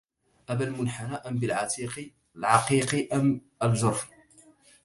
أبالمنحنى أم بالعقيق أم الجرف